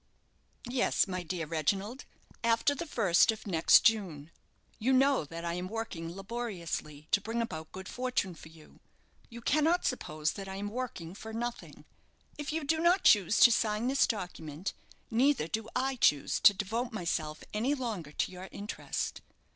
"Yes, my dear Reginald, after the first of next June. You know that I am working laboriously to bring about good fortune for you. You cannot suppose that I am working for nothing. If you do not choose to sign this document, neither do I choose to devote myself any longer to your interest."